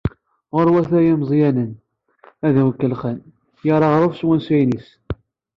Ɣurwat ay imeẓyanen, ad awen-kellxen, yal aɣref s wansayen-is.